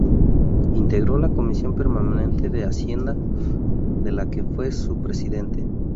Integró la Comisión Permanente de Hacienda, de la que fue su presidente.